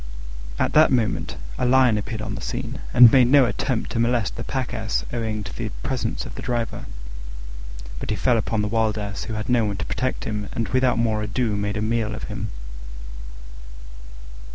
At that moment a Lion appeared on the scene, and made no attempt to molest the Pack Ass owing to the presence of the driver; but he fell upon the Wild Ass, who had no one to protect him, and without more ado made a meal of him.